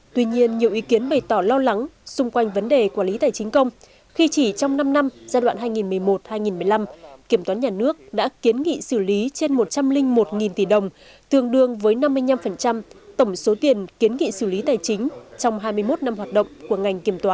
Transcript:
tuy nhiên nhiều ý kiến bày tỏ lo lắng xung quanh vấn đề quản lý tài chính công khi chỉ trong năm năm giai đoạn hai nghìn một mươi một hai nghìn một mươi năm kiểm toán nhà nước đã kiến nghị xử lý trên một trăm linh một tỷ đồng tương đương với năm mươi năm tổng số tiền kiến nghị xử lý tài chính trong hai mươi một năm hoạt động của ngành kiểm toán